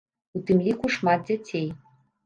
У тым ліку шмат дзяцей.